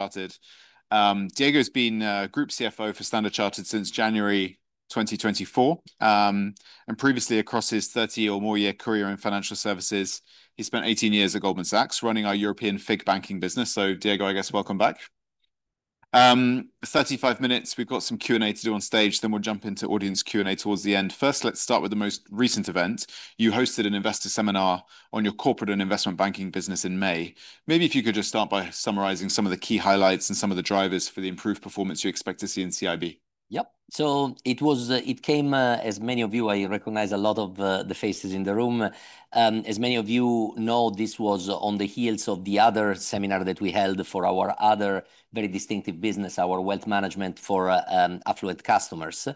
Charted. Diego's been Group CFO for Standard Chartered since January 2024. Previously, across his 30 or more year career in financial services, he spent 18 years at Goldman Sachs running our European FIG banking business. Diego, I guess, welcome back. Thirty-five minutes, we've got some Q&A to do on stage, then we'll jump into audience Q&A towards the end. First, let's start with the most recent event. You hosted an investor seminar on your corporate and investment banking business in May. Maybe if you could just start by summarizing some of the key highlights and some of the drivers for the improve you expect to see in CIB. Yep. It came. As many of you, I recognize a lot of the faces in the room. As many of you know, this was on the heels of the other seminar that we held for our other very distinctive business, our wealth management for affluent customers.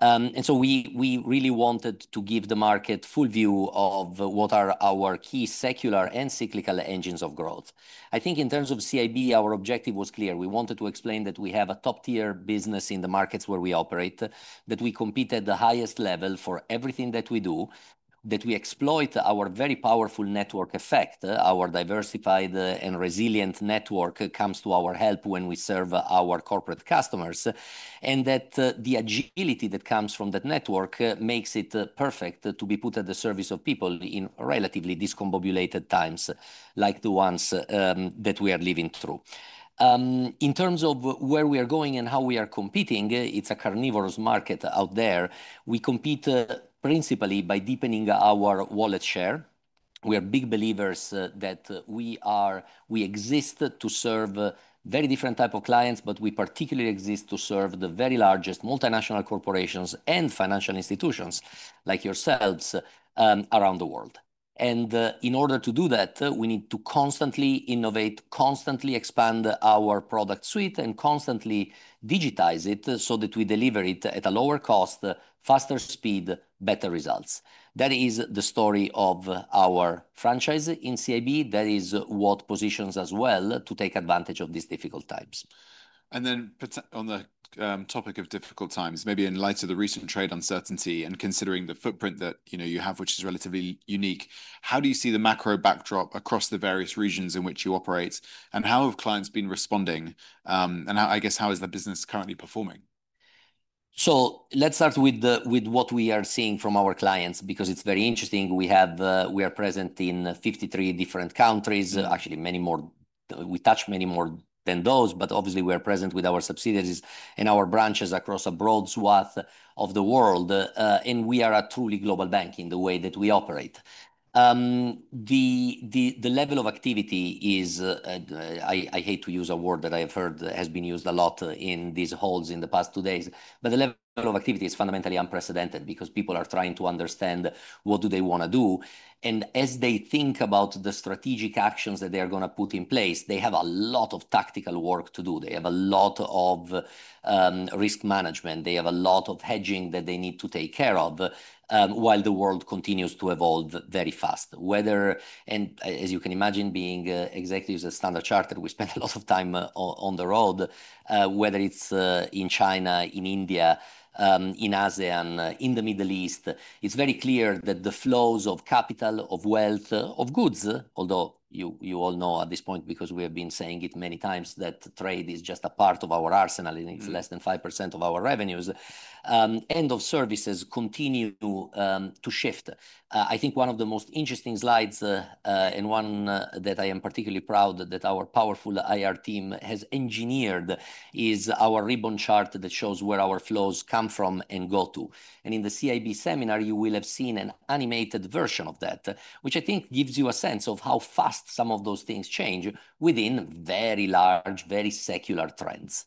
We really wanted to give the market full view of what are our key secular and cyclical engines of growth. I think in terms of CIB, our objective was clear. We wanted to explain that we have a top tier business in the markets where we operate, that we compete at the highest level for everything that we do, that we exploit our very powerful network effect. Our diversified and resilient network comes to our help when we serve our corporate customers. The agility that comes from that network makes it perfect to be put at the service of people in relatively discombobulated times like the ones that we are living through in terms of where we are going and how we are competing. It is a carnivorous market out there. We compete principally by deepening our wallet share. We are big believers that we are. We exist to serve very different type of clients, but we particularly exist to serve the very largest multinational corporations and financial institutions like yourselves around the world. In order to do that, we need to constantly innovate, constantly expand our product suite and constantly digitize it so that we deliver it at a lower cost, faster speed, better results. That is the story of our franchise in CIB. That is what positions us well to take advantage of these difficult times. On the topic of difficult times, maybe in light of the recent trade uncertainty and considering the footprint that you know you have, which is relatively unique, how do you see the macro backdrop across the various regions in which you operate and how have clients been responding and I guess how is the business currently performing? Let's start with what we are seeing from our clients because it's very interesting. We are present in 53 different countries, actually many more. We touch many more than those. Obviously we are present with our subsidiaries and our branches across a broad swath of the world. We are a truly global bank in the way that we operate. The level of activity is, I hate to use a word that I have heard has been used a lot in these halls in the past two days, but the level of activity is fundamentally unprecedented because people are trying to understand what do they want to do. As they think about the strategic actions that they are going to put in place, they have a lot of tactical work to do. They have a lot of risk management, they have a lot of hedging that they need to take care of while the world continues to evolve very fast. As you can imagine, being executives at Standard Chartered, we spend a lot of time on the road, whether it is in China, in India, in ASEAN, in the Middle East. It is very clear that the flows of capital, of wealth, of goods, although you all know at this point, because we have been saying it many times, that trade is just a part of our arsenal and it is less than 5% of our revenues. End of services continue to shift. I think one of the most interesting slides and one that I am particularly proud that our powerful IR team has engineered is our ribbon chart that shows where our flows come from and go to. In the CIB seminar you will have seen an animated version of that, which I think gives you a sense of how fast some of those things change within very large, very secular trends.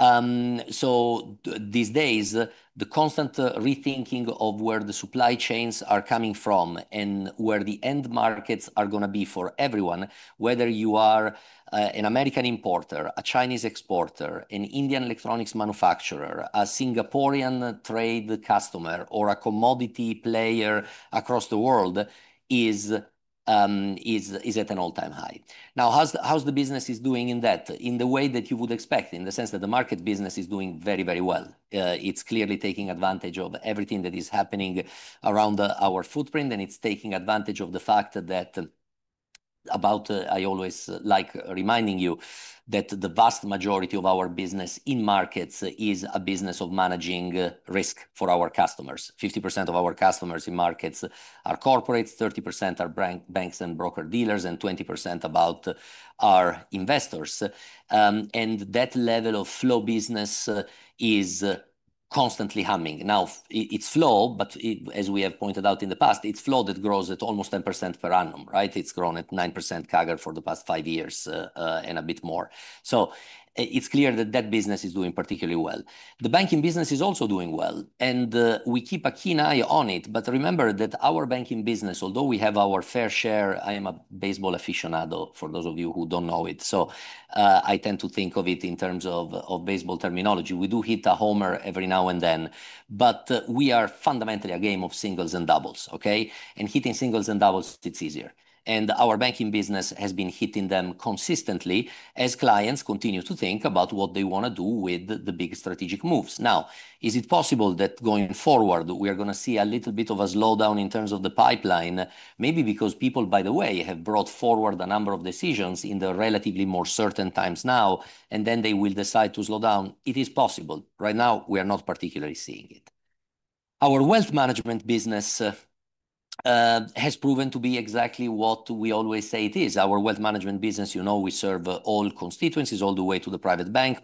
These days the constant rethinking of where the supply chains are coming from and where the end markets are going to be for everyone, whether you are an American importer, a Chinese exporter, an Indian electronics manufacturer, a Singaporean customer, or a commodity player across the world, is at an all time high. Now how's the business doing in that. In the way that you would expect in the sense that the markets business is doing very, very well. It is clearly taking advantage of everything that is happening around our footprint and it is taking advantage of the fact that about, I always like reminding you that the vast majority of our business in markets is a business of managing risk for our customers. 50% of our customers in markets are corporates, 30% are banks and broker dealers, and about 20% are investors. That level of flow business is constantly humming. Now it is flow, but as we have pointed out in the past, it is flow that grows at almost 10% per annum. Right. It has grown at 9% CAGR for the past five years and a bit more. It is clear that that business is doing particularly well. The banking business is also doing well and we keep a keen eye on it. Remember that our banking, although we have our fair share. I am a baseball aficionado for those of you who do not know it. I tend to think of it in terms of baseball terminology. We do hit a homer every now and then, but we are fundamentally a game of singles and doubles. Hitting singles and doubles, it is easier. Our banking business has been hitting them consistently as clients continue to think about what they want to do with the big strategic moves. Now, is it possible that going forward we are going to see a little bit of a slowdown in terms of the pipeline? Maybe because people, by the way, have brought forward a number of decisions in the relatively more certain times now and then they will decide to slow down. It is possible. Right now we are not particularly seeing it. Our wealth management business has proven to be exactly what we always say it is. Our wealth management business, you know, we serve all constituencies all the way to the private bank.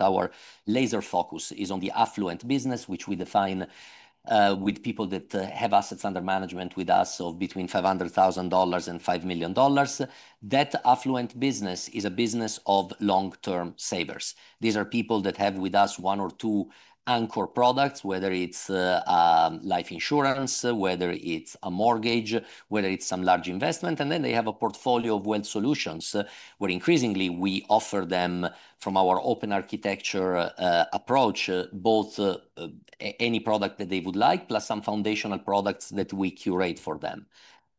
Our laser focus is on the affluent business, which we define with people that have assets under management with us of between $500,000 and $5 million. That affluent business is a business of long term savers. These are people that have with us one or two anchor products, whether it is life insurance, whether it is a mortgage, whether it is some large investment, and then they have a portfolio of wealth solutions where increasingly we offer them from our open architecture approach, both any product that they would like plus some foundational products that we curate for them.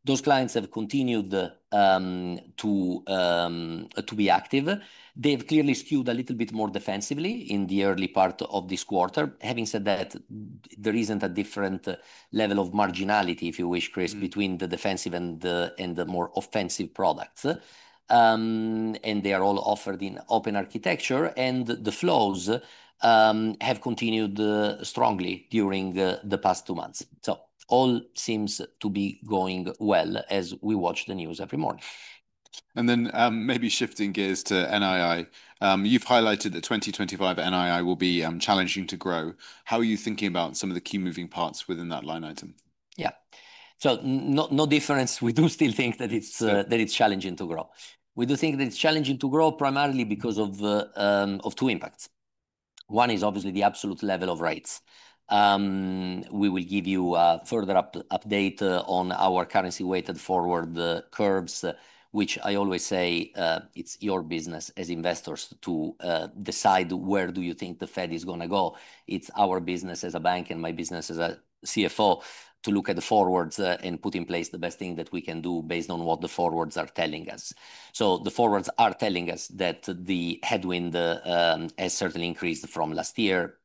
Those clients have continued to be active. They have clearly skewed a little bit more defensively in the early part of this quarter. Having said that, there is not a different level of marginality, if you wish, Chris, between the defensive and the more offensive products. They are all offered in open architecture, and the flows have continued strongly during the past two months. All seems to be going well as we watch the news every morning. Maybe shifting gears to NII, you've highlighted that 2025 NII will be challenging to grow. How are you thinking about some of the key moving parts within that line item? Yeah, so no difference. We do still think that it's challenging to grow. We do think that it's challenging to grow primarily because of two impacts. One is obviously the absolute level of rates. We will give you a further update on our currency weighted forward curves, which I always say it's your business as investors to decide where do you think the Fed is going to go. It's our business as a bank and my business as a CFO to look at the forwards and put in place the best thing that we can do based on what the forwards are telling us. The forwards are telling us that the headwind has certainly increased from last year.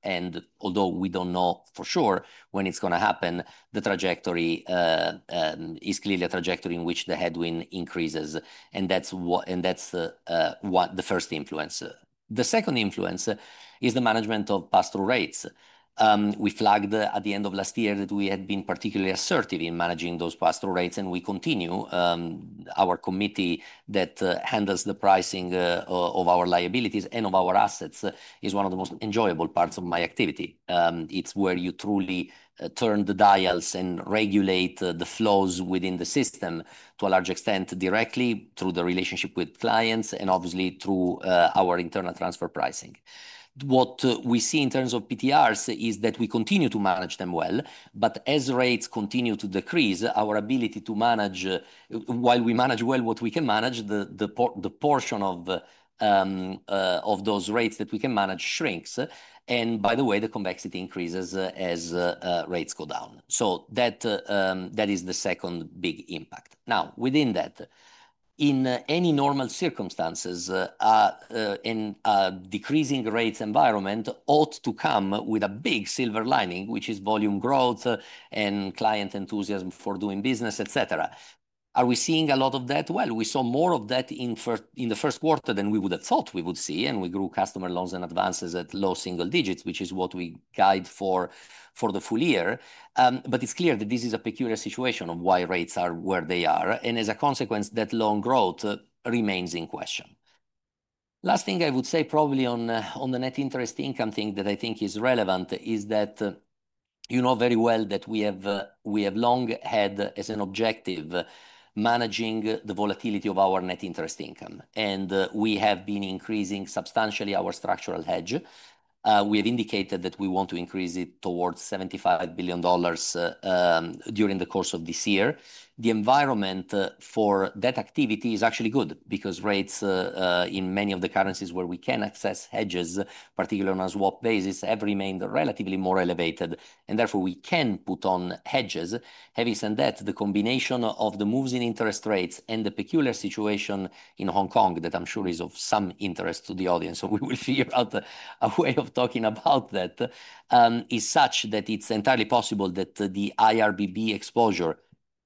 Although we do not know for sure when it's going to happen, the trajectory is clearly a trajectory in which the headwind increases. That's what. That is the first influence. The second influence is the management of pass-through rates. We flagged at the end of last year that we had been particularly assertive in managing those pass-through rates and we continue. Our committee that handles the pricing of our liabilities and of our assets is one of the most enjoyable parts of my activity. It is where you truly turn the dials and regulate the flows within the system to a large extent directly through the relationship with clients and obviously through our internal transfer pricing. What we see in terms of PTRs is that we continue to manage them well. As rates continue to decrease, our ability to manage, while we manage well what we can manage, the portion of those rates that we can manage shrinks. By the way, the convexity increases as rates go down. That is the second big impact. Now within that, in any normal circumstances, a decreasing rates environment ought to come with a big silver lining, which is volume growth and client enthusiasm for doing business, et cetera. Are we seeing a lot of that? We saw more of that in the first quarter than we would have thought we would see. We grew customer loans and advances at low single digits, which is what we guide for the full year. It is clear that this is a peculiar situation of why rates are where they are, and as a consequence, that loan growth remains in question. Last thing I would say probably on the net interest income thing that I think is relevant is that you know very well that we have long had as an objective managing the volatility of our net interest income. We have been increasing substantially our structural hedge fund. We have indicated that we want to increase it towards $75 billion during the course of this year. The environment for debt activity is actually good because rates in many of the currencies where we can access hedges, particularly on a swap basis, have remained relatively more elevated and therefore we can put on hedges. Having said that, the combination of the moves in interest rates and the peculiar situation in Hong Kong that I am sure is of some interest to the audience. We will figure out a way of talking about that such that it's entirely possible that the IRBB exposure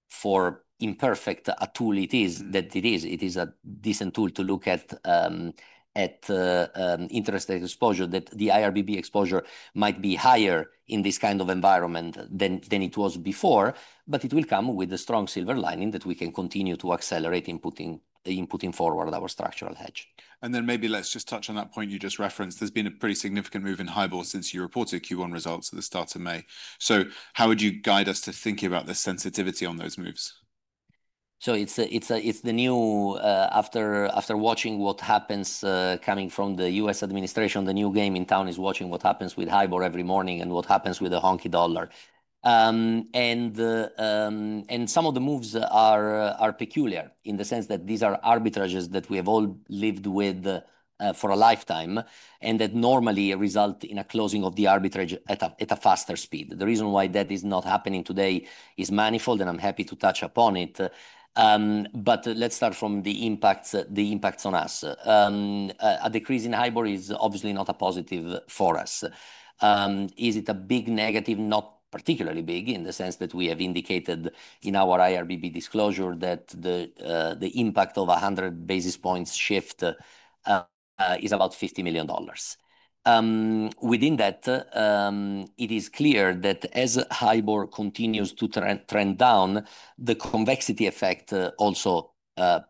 for imperfect a tool. It is a decent tool to look at interest rate exposure. The IRBB exposure might be higher in this kind of environment than it was before, but it will come with a strong silver lining that we can continue to accelerate in putting forward our structural hedge. Maybe let's just touch on that point you just referenced. There's been a pretty significant move in HIBOR since you reported Q1 results at the start. How would you guide us to think about the sensitivity on those moves? It's the new, after watching what happens coming from the U.S. administration, the new game in town is watching what happens with HIBOR every morning and what happens with the Hong Kong dollar. Some of the moves are peculiar in the sense that these are arbitrages that we have all lived with for a lifetime and that normally result in a closing of the arbitrage at a faster speed. The reason why that is not happening today is manifold and I'm happy to touch upon it. Let's start from the impacts, the impacts on us. A decrease in HIBOR is obviously not a positive for us. Is it a big negative? Not particularly big in the sense that we have indicated in our IRBB disclosure that the impact of 100 basis points shift is about $50 million. Within that it is clear that as HIBOR continues to trend down, the convexity effect also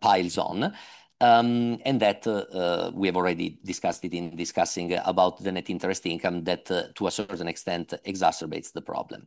piles on and that we have already discussed it in discussing about the net interest income that to a certain extent exacerbates the problem.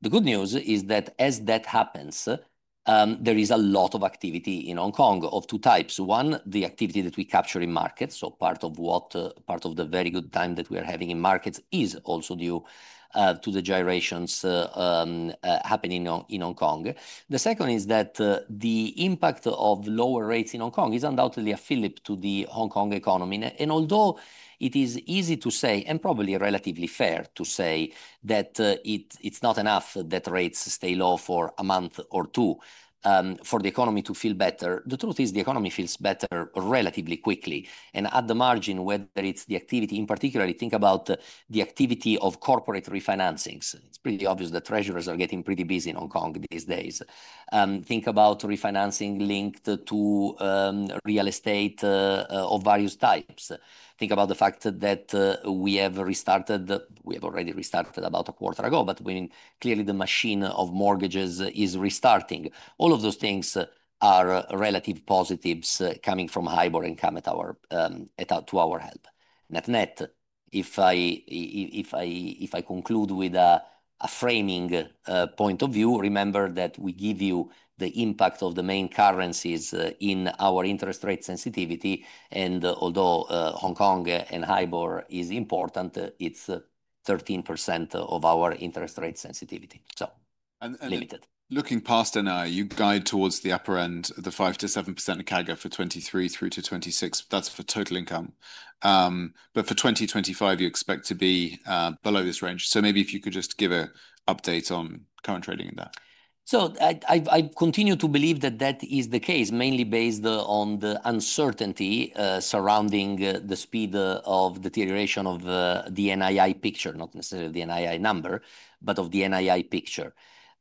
The good news is that as that happens, there is a lot of activity in Hong Kong of two types. One, the activity that we capture in markets. Part of the very good time that we are having in markets is also due to the gyrations happening in Hong Kong. The second is that the impact of lower rates in Hong Kong is undoubtedly a fillip to the Hong Kong economy. Although it is easy to say and probably relatively fair to say that it's not enough that rates stay low for a month or two for the economy to feel better. The truth is the economy feels better relatively quickly and at the margin. Whether it's the activity in particular, think about the activity of corporate refinancings. It's pretty obvious that treasurers are getting pretty busy in Hong Kong these days. Think about refinancing linked to real estate of various types. Think about the fact that we have restarted. We have already restarted about a quarter ago, but clearly the machine of mortgages is restarting. All of those things are relative positives coming from HIBOR and come at our, to our help. Net net, if I conclude with a framing point of view. Remember that we give you the impact of the main currencies in our interest rate sensitivity. And although Hong Kong and HIBOR is important, it's 13% of our interest rate sensitivity. Looking past NII, you guide towards the upper end of the 5%-7% CAGR for 2023 through to 2026, that's for total income. For 2025 you expect to be below this range. Maybe if you could just give an update on current trading in that. I continue to believe that that is the case mainly based on the uncertainty surrounding the speed of deterioration of the NII picture. Not necessarily the NII number, but of the NII picture.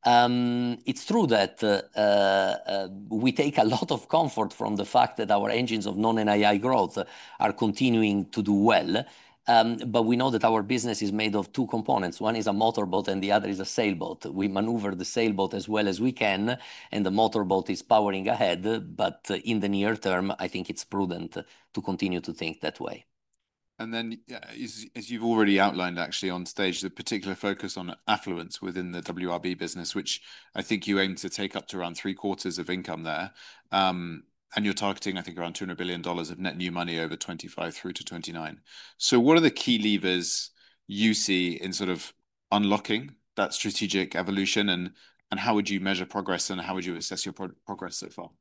It's true that we take a lot of comfort from the fact that our engines of non NII growth are continuing to do well. We know that our business is made of two components. One is a motorboat and the other is a sailboat. We manoeuvre the sailboat as well as we can and the motorboat is powering ahead. In the near term I think it's prudent to continue to think that way. As you have already outlined actually on stage, the particular focus on affluence within the WRB business, which I think you aim to take up to around three quarters of income there and you are targeting I think around $200 billion of net new money over 2025 through to 2029. What are the key levers you see in sort of unlocking that strategic evolution? How would you measure progress and how would you assess your progress so far?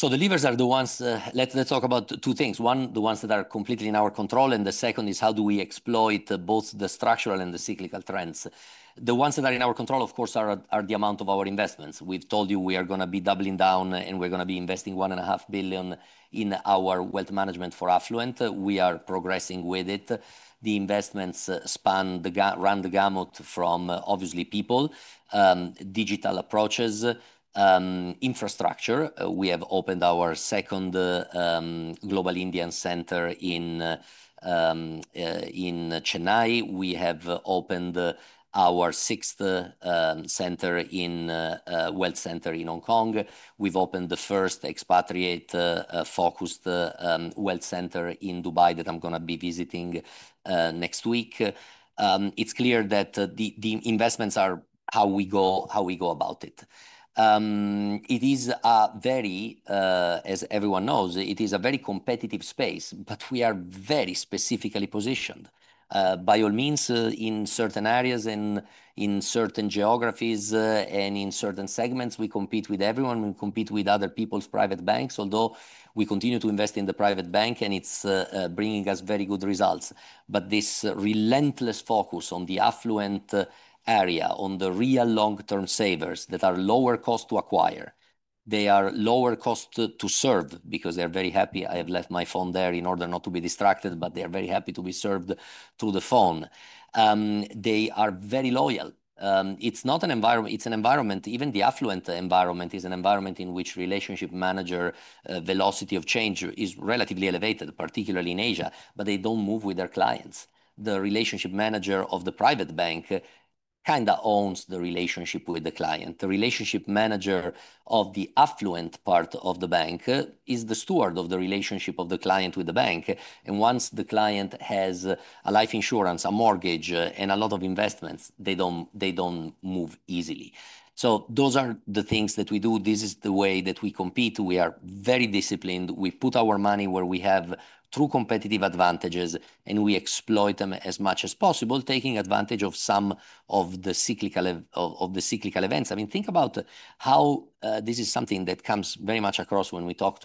The levers are the ones. Let's talk about two things. One, the ones that are completely in our control and the second is how do we exploit both the structural and the cyclical trends? The ones that are in our control of course are the amount of our investments. We've told you we are going to be doubling down and we're going to be investing $1.5 billion in our wealth management for affluent. We are progressing with it. The investments span the gamut from obviously people, digital approaches, infrastructure. We have opened our second global Indian center in Chennai, we have opened our sixth wealth center. In Hong Kong we've opened the first expatriate-focused wealth center in Dubai that I'm going to be visiting next week. It's clear that the investments are how we go. How we go about is a very, as everyone knows, it is a very competitive space. We are very specifically positioned by all means in certain areas and in certain geographies and in certain segments we compete with everyone, we compete with other people's private banks, although we continue to invest in the private bank and it's bringing us very good results. This relentless focus on the affluent area, on the real long term savers that are lower cost to acquire, they are lower cost to serve because they're very happy. I have left my phone there in order not to be distracted, but they are very happy to be served through the phone. They are very loyal. It's not an environment, it's an environment. Even the affluent environment is an environment in which relationship manager velocity of change is relatively elevated, particularly in Asia, but they do not move with their clients. The relationship manager of the private bank kinda owns the relationship with the client. The relationship manager of the affluent part of the bank is the steward of the relationship of the client with the bank. Once the client has a life insurance, a mortgage and a lot of investments, they do not move easily. Those are the things that we do. This is the way that we compete. We are very disciplined. We put our money where we have true competitive advantages and we exploit them as much as possible, taking advantage of some of the cyclical events. I mean, think about how this is something that comes very much across when we talk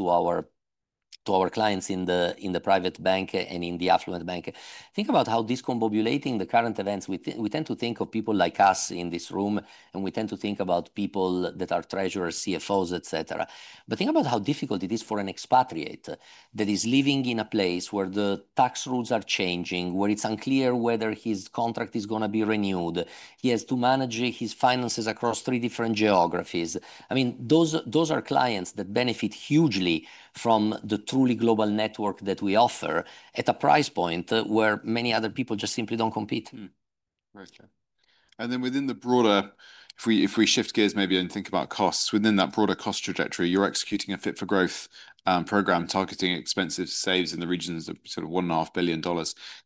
to our clients in the private bank and in the affluent bank, think about how discombobulating the current events. We tend to think of people like us in this room and we tend to think about people that are treasurers, CFOs, et cetera. Think about how difficult it is for an expatriate that is living in a place where the tax rules are changing, where it is unclear whether his contract is going to be renewed. He has to manage his finances across three different geographies. I mean those are clients that benefit hugely from the truly global network that we offer at a price point where many other people just simply do not compete. If we shift gears maybe and think about costs within that broader cost trajectory, you're executing a Fit for Growth program targeting expense saves in the region of $1.5 billion.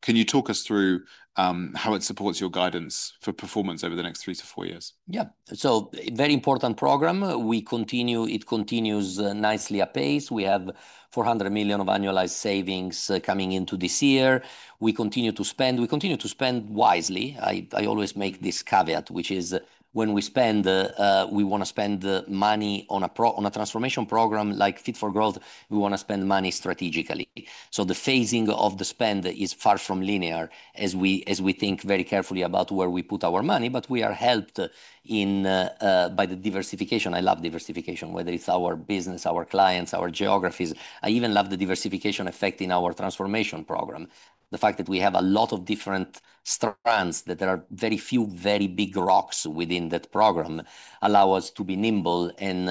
Can you talk us through how it supports your guidance for performance over the next three to four years? Yeah, so very important program. We continue. It continues nicely apace. We have $400 million of annualized savings coming into this year. We continue to spend. We continue to spend wisely. I always make this caveat, which is when we spend, we want to spend money on a transformation program like Fit for Growth, we want to spend money strategically. The phasing of the spend is far from linear as we think very carefully about where we put our money. We are helped by the diversification. I love diversification, whether it's our business, our clients, our geographies. I even love the diversification effect in our transformation program. The fact that we have a lot of different strands, that there are very few very big rocks within that program allow us to be nimble and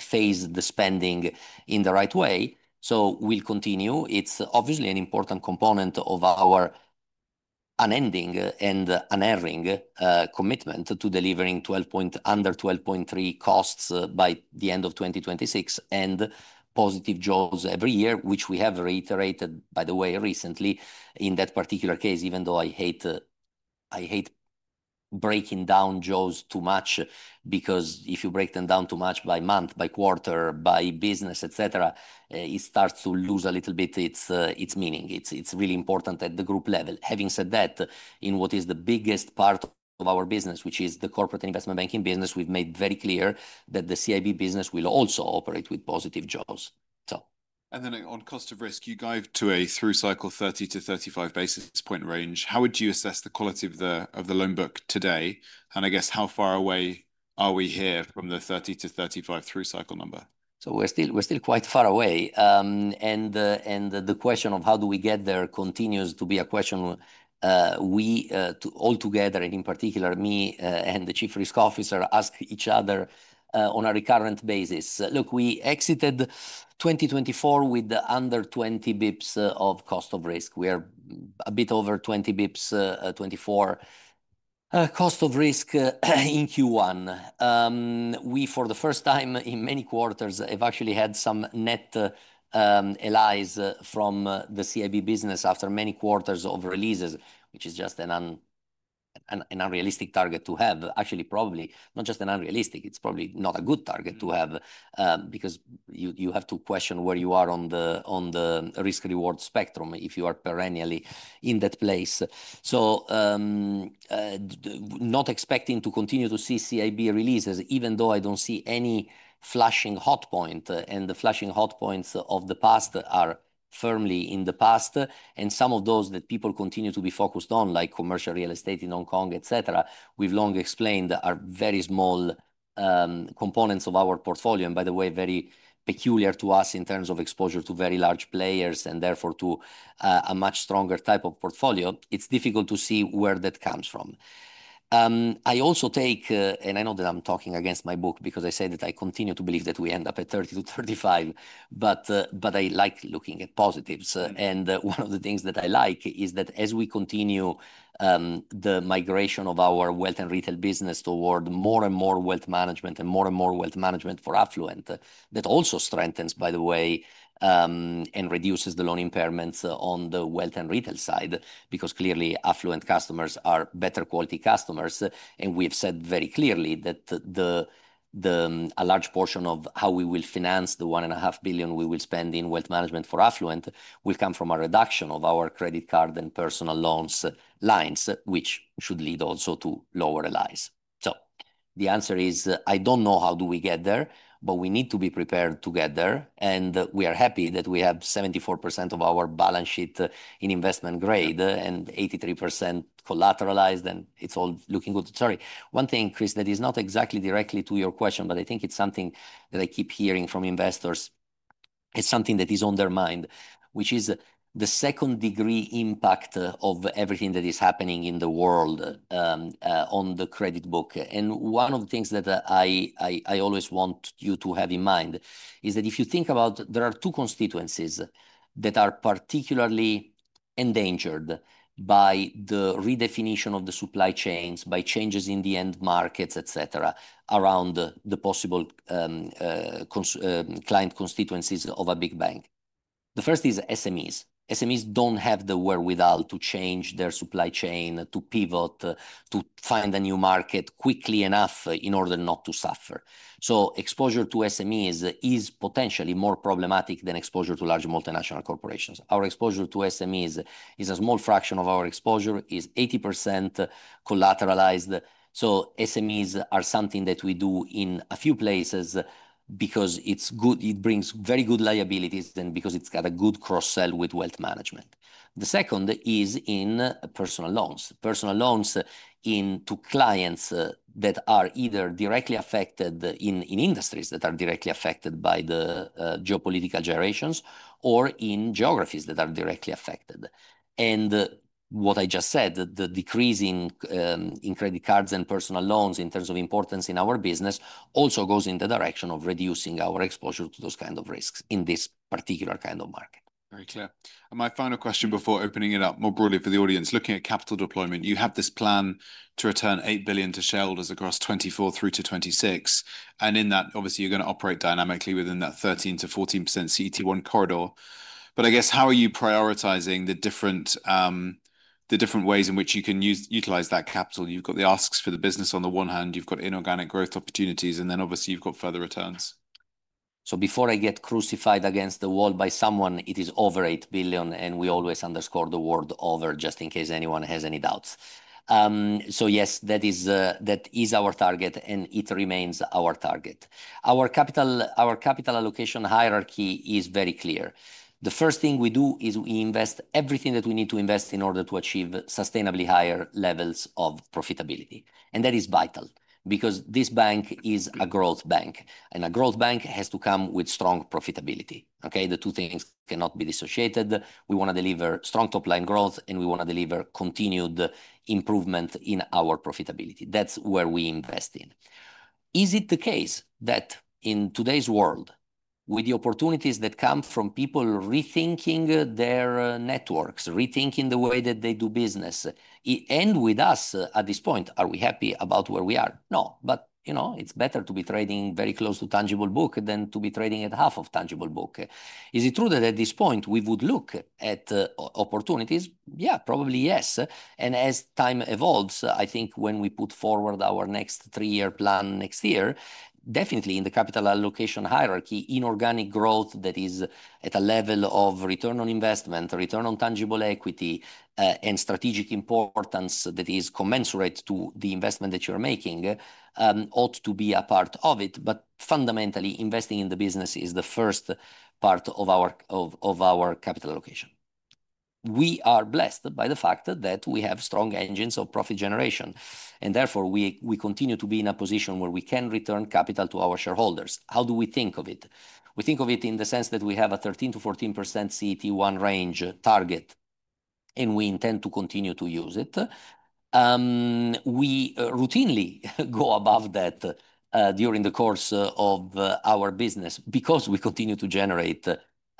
phase the spending in the right way. We will continue. It's obviously an important component of our unending and unerring commitment to delivering under $12.3 billion costs by the end of 2026 and positive jaws every year, which we have reiterated by the way recently. In that particular case, even though I hate breaking down jaws too much because if you break them down too much by month, by quarter, by business, et cetera, it starts to lose a little bit its meaning. It's really important at the group level. Having said that, in what is the biggest part of our business, which is the Corporate and Investment Banking business, we've made very clear that the CIB business will also operate with positive jaws. On cost of risk, you guide to a through cycle 30-35 basis point range. How would you assess the quality of the loan book today? I guess how far away are we here from the 30-35 through cycle number? We're still quite far away. The question of how do we get there continues to be a question we all together and in particular me and the Chief Risk Officer ask each other on a recurrent basis. Look, we exited 2024 with under 20 basis points of cost of risk. We are a bit over 20 BPS 2024 cost of risk in Q1. We for the first time in many quarters have actually had some allies from the CIB business after many quarters of releases, which is just an unrealistic target to have. Actually, probably not just an unrealistic, it's probably not a good target to have because you have to question where you are on the risk reward spectrum if you are perennially in that place. Not expecting to continue to see CIB releases even though I do not see any flashing hot point, and the flashing hot points of the past are firmly in the past. Some of those that people continue to be focused on, like commercial real estate in Hong Kong, et cetera, we have long explained are very small components of our portfolio and, by the way, very peculiar to us in terms of exposure to very large players and therefore to a much stronger type of portfolio. It is difficult to see where that comes from. I also take, and I know that I am talking against my book because I say that I continue to believe that we end up at 30-35. I like looking at positives and one of the things that I like is that as we continue the migration of our wealth and retail business toward more and more wealth management and more and more wealth management for affluent, that also strengthens, by the way, and reduces the loan impairments on the wealth and retail side because clearly affluent customers are better quality customers. We have said very clearly that a large portion of how we will finance the $1.5 billion we will spend in wealth management for affluent will come from a reduction of our credit card and personal loans lines, which should lead also to lower allies. The answer is I do not know how do we get there. We need to be prepared to get there. We are happy that we have 74% of our balance sheet in investment grade and 83% collateralized, and it is all looking good. Sorry, one thing, Chris, that is not exactly directly to your question, but I think it is something that I keep hearing from investors. It is something that is on their mind, which is the second degree impact of everything that is happening in the world on the credit book. One of the things that I always want you to have in mind is that if you think about it, there are two constituencies that are particularly endangered by the redefinition of the supply chains, by changes in the end markets, et cetera, around the possible client constituencies of a big bank. The first is SMEs. SMEs do not have the wherewithal to change their supply chain to pivot to find a new market quickly enough in order not to suffer. Exposure to SMEs is potentially more problematic than exposure to large multinational corporations. Our exposure to SMEs is a small fraction of our exposure, is 80% collateralized. SMEs are something that we do in a few places because it is good, it brings very good liabilities, and because it has got a good cross sell with wealth management. The second is in personal loans. Personal loans into clients that are either directly affected, in industries that are directly affected by the geopolitical generations, or in geographies that are directly affected. What I just said, the decrease in credit cards and personal loans in terms of importance in our business also goes in the direction of reducing our exposure to those kind of risks in this particular kind of market. Very clear. My final question before opening it up more broadly for the audience, looking at capital deployment, you have this plan to return $8 billion to shareholders across 2024 through to 2026. In that, obviously, you are going to operate dynamically within that 13%-14% CET1 corridor. I guess, how are you prioritizing the different ways in which you can utilize that capital? You have the asks for the business on the one hand, you have inorganic growth opportunities, and then obviously you have further returns. Before I get crucified against the wall by someone, it is over $8 billion and we always underscore the word over just in case anyone has any doubts. Yes, that is our target and it remains our target, our capital. Our capital allocation hierarchy is very clear. The first thing we do is we invest everything that we need to invest in order to achieve sustainably higher levels of profitability. That is vital because this bank is a growth bank and a growth bank has to come with strong profitability. The two things cannot be dissociated. We want to deliver strong top line growth and we want to deliver continued improvement in our profitability. That is where we invest in. Is it the case that in today's world with the opportunities that come from people rethinking their networks, rethinking the way that they do business and with us at this point, are we happy about where we are? No, but you know, it's better to be trading very close to tangible book than to be trading at half of tangible book. Is it true that at this point we would look at opportunities? Yeah, probably, yes. As time evolves, I think when we put forward our next three year plan, next year, definitely in the capital allocation hierarchy, inorganic growth that is at a level of return on investment, return on tangible equity and strategic importance that is commensurate to the investment that you're making ought to be a part of it. Fundamentally, investing in the business is the first part of our capital allocation. We are blessed by the fact that we have strong engines of profit generation, and therefore we continue to be in a position where we can return capital to our shareholders. How do we think of this? It. We think of it in the sense that we have a 13%-14% CET1 range target and we intend to continue to use it. We routinely go above that during the course of our business because we continue to generate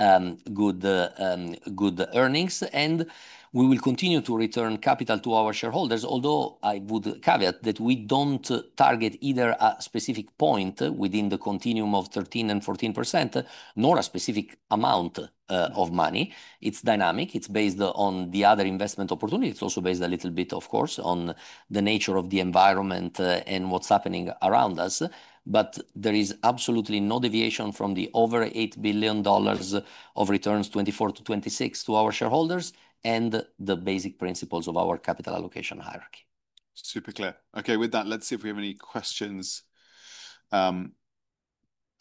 good earnings and we will continue to return capital to our shareholders. Although I would caveat that we do not target either a specific point within the continuum of 13%-14%, nor a specific point amount of money. It is dynamic. It is based on the other investment opportunity. It is also based a little bit, of course, on the nature of the environment and what is happening around us. There is absolutely no deviation from the over $8 billion of returns 2024 to 2026 to our shareholders and the basic principles of our capital allocation hierarchy. Super clear. Okay with that. Let's see if we have any questions from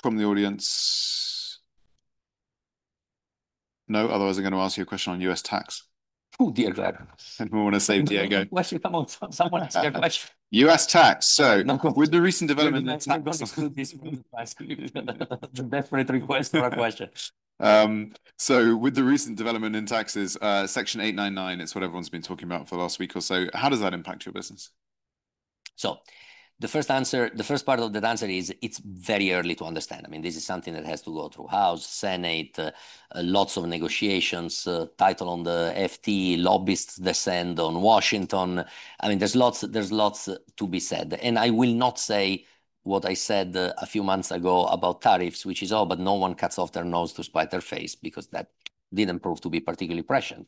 the audience. No. Otherwise, I'm going to ask you a question on U.S. tax. U.S. tax. With the recent development, with the recent development in taxes, section 899, it's what everyone's been talking about for the last week or so. How does that impact your business? The first part of that answer is it's very early to understand. I mean, this is something that has to go through House, Senate, lots of negotiations, title on the FT, lobbyists descend on Washington. I mean, there's lots to be said. I will not say what I said a few months ago about tariffs, which is, oh, but no one cuts off their nose to spite their face because that didn't prove to be particularly precious.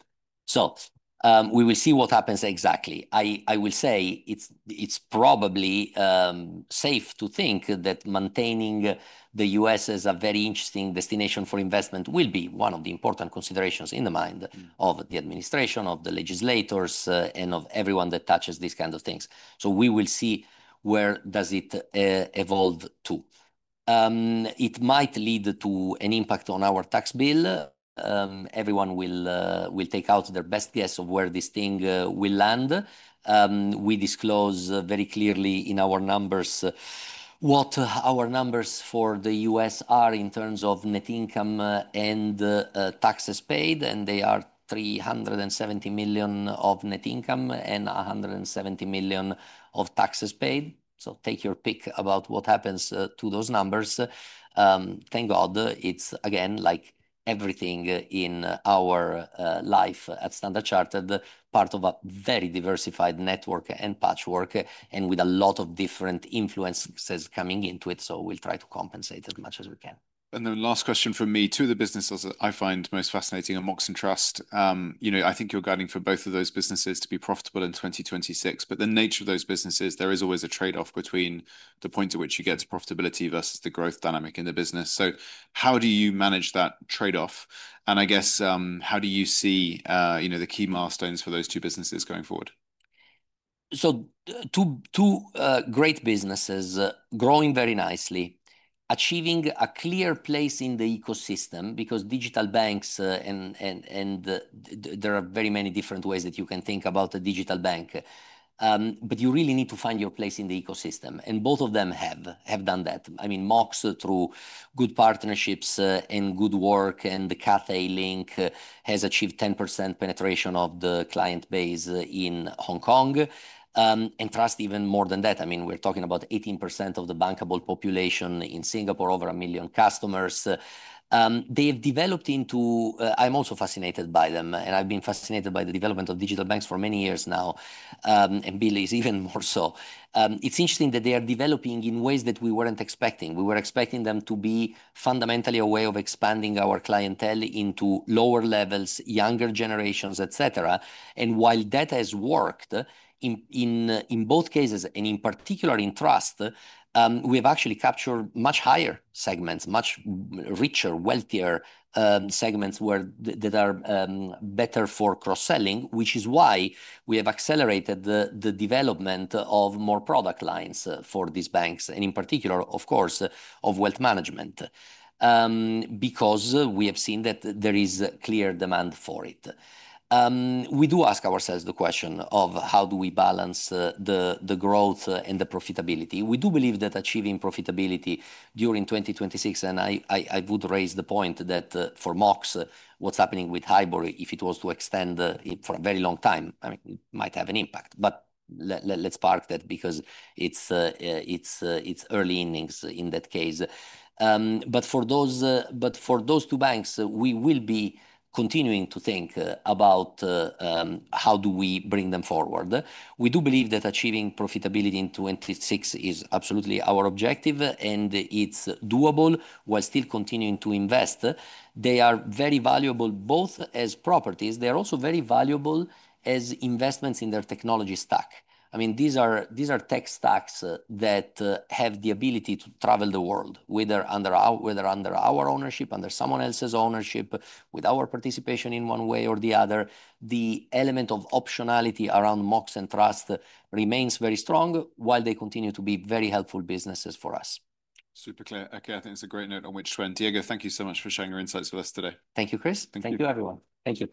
We will see what happens. Exactly. I will say it's probably safe to think that maintaining the U.S. as a very interesting destination for investment will be one of the important considerations in the mind of the administration, of the legislators, and of everyone that touches these kind of things. We will see where does it evolve to. It might lead to an impact on our tax bill. Everyone will take out their best guess of where this thing will land. We disclose very clearly in our numbers what our numbers for the U.S. are in terms of net income and taxes paid. They are $370 million of net income and $170 million of taxes paid. Take your pick about what happens to those numbers. Thank God it is again, like everything in our life at Standard Chartered, part of a very diversified network and patchwork with a lot of different influences coming into it. We will try to compensate as much as we can. The last question from me, to the businesses that I find most fascinating, Mox and Trust, you know, I think you're guiding for both of those businesses to be profitable in 2026. The nature of those businesses, there is always a trade off between the point at which you get to profitability versus the growth dynamic in the business. How do you manage that trade off, and I guess how do you see, you know, the key milestones for those two businesses going forward? Two great businesses growing very nicely, achieving a clear place in the ecosystem because digital banks, and there are very many different ways that you can think about a digital bank, but you really need to find your place in the ecosystem, and both of them have done that. I mean, Mox, through good partnerships and good work, and the Cathaylink has achieved 10% penetration of the client base in Hong Kong, and Trust even more than that. I mean, we're talking about 18% of the bankable population in Singapore, over a million customers they have developed into. I'm also fascinated by them, and I've been fascinated by the development of digital banks for many years now, and Billy is even more so. It's interesting that they are developing in ways that we weren't expecting. We were expecting them to be fundamentally a way of expanding our clientele into lower levels, younger generations, et cetera. While that has worked in both cases, and in particular in Trust, we have actually captured much higher segments, much richer, wealthier segments that are better for cross selling, which is why we have accelerated the development of more product lines for these banks and in particular, of course, of wealth management, because we have seen that there is clear demand for it. We do ask ourselves the question of how do we balance the growth and the profitability. We do believe that achieving profitability during 2026, and I would raise the point that for Mox what is happening with HIBOR, if it was to extend for a very long time, it might have an impact. Let's park that because it is early innings in that case. For those two banks, we will be continuing to think about how do we bring them forward. We do believe that achieving profitability in 2026 is absolutely our objective and it's doable while still continuing to invest. They are very valuable both as properties. They are also very valuable as investments in their technology stack. I mean, these are things, tech stacks that have the ability to travel the world, whether under our ownership, under someone else's ownership, with our participation in one way or the other. The element of optionality around Mox and Trust remains very strong while they continue to be very helpful businesses for us. Super clear. Okay. I think it's a great note on which to end. Diego, thank you so much for sharing your insights with us today. Thank you, Chris. Thank you, everyone. Thank you.